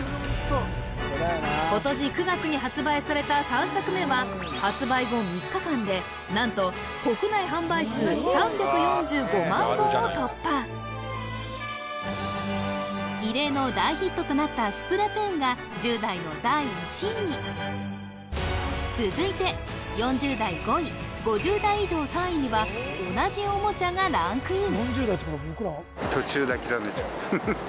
今年９月に発売された３作目は発売後３日間で何と国内販売数３４５万本を突破異例の大ヒットとなった「スプラトゥーン」が１０代の第１位に続いて４０代５位５０代以上３位には同じおもちゃがランクイン